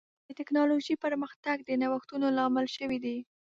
د ټکنالوجۍ پرمختګ د نوښتونو لامل شوی دی.